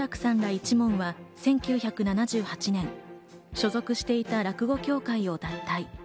圓楽さんら一門は１９７８年、所属していた落語協会を脱退。